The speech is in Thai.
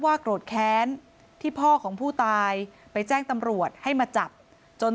โกรธแค้นที่พ่อของผู้ตายไปแจ้งตำรวจให้มาจับจน